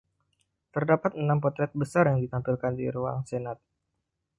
Terdapat enam potret besar yang ditampilkan di Ruang Senat.